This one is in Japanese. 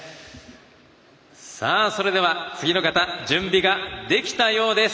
それでは次の方準備ができたようです。